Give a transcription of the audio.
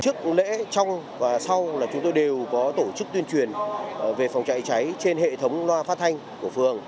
trước lễ trong và sau là chúng tôi đều có tổ chức tuyên truyền về phòng cháy cháy trên hệ thống loa phát thanh của phường